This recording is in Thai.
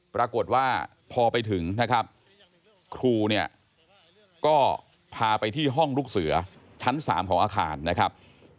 ปรากฏว่าพอไปถึงนะครับครูเนี่ยก็พาไปที่ห้องลูกเสือชั้น๓ของอาคารนะครับ